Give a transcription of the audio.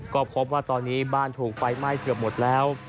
ก็พบว่าตอนนี้บ้านถูกไฟไหม้เกือบหมดแล้ว